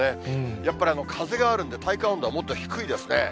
やっぱり風があるんで、体感温度はもっと低いですね。